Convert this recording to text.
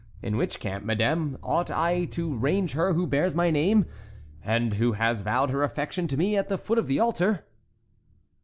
In which camp, Madame, ought I to range her who bears my name, and who has vowed her affection to me at the foot of the altar?"